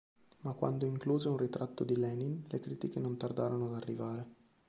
Ma quando incluse un ritratto di Lenin, le critiche non tardarono ad arrivare.